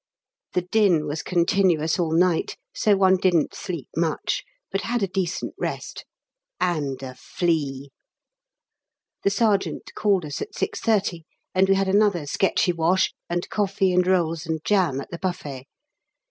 The din was continuous all night, so one didn't sleep much, but had a decent rest (and a flea). The sergeant called us at 6.30, and we had another sketchy wash, and coffee and rolls and jam at the buffet.